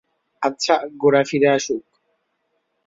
আচ্ছা, গোরা ফিরে আসুক।